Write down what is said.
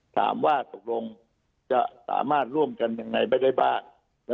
ถามว่าตกลงจะสามารถร่วมกันยังไงไปได้บ้าง